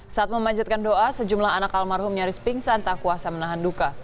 saat memanjatkan doa sejumlah anak almarhum nyaris pingsan tak kuasa menahan duka